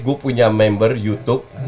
saya punya member youtube